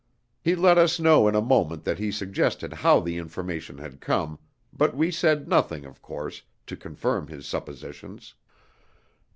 He let us know in a moment that he guessed how the information had come, but we said nothing, of course, to confirm his suppositions.